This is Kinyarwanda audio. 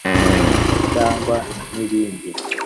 cyangwa n’ibindi